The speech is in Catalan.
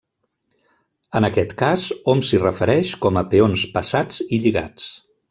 En aquest cas, hom s'hi refereix com a peons passats i lligats.